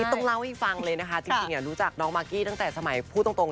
มิต้องเล่าให้ฟังเลยนะครับจริง